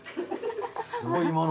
すごい今の。